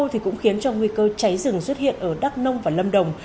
thì cũng khiến cho nguy cơ cháy rừng xuất hiện ở đắk nông và lâm đồng